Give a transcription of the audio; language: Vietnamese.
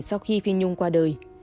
sau khi phi nhung qua đời